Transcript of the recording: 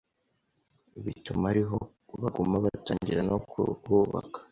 bituma ariho baguma batangira no kuhubaka